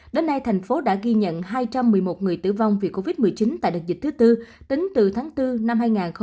đến nay thành phố đã ghi nhận hai trăm một mươi một người tử vong vì covid một mươi chín tại đợt dịch thứ tư tính từ tháng bốn năm hai nghìn hai mươi